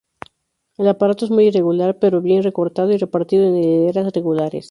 El aparato es muy irregular, pero bien recortado y repartido en hileras regulares.